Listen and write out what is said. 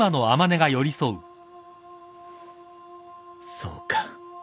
そうか。